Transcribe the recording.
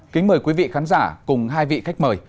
kính mời quý vị khán giả cùng hai vị khách mời